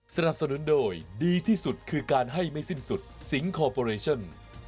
สนับสนุนโดยดีที่สุดคือการให้ไม่สิ้นสุดสิงคอร์ปอเรชั่น